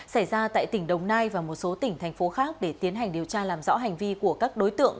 xảy ra tại tỉnh đồng nai và một số tỉnh thành phố khác để tiến hành điều tra làm rõ hành vi của các đối tượng